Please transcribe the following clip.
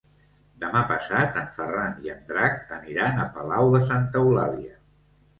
Demà passat en Ferran i en Drac aniran a Palau de Santa Eulàlia.